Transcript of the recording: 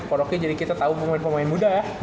kalo rocky jadi kita tau pemain pemain muda ya